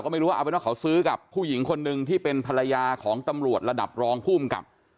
ไม่รู้ว่าเอาเป็นว่าเขาซื้อกับผู้หญิงคนหนึ่งที่เป็นภรรยาของตำรวจระดับรองภูมิกับ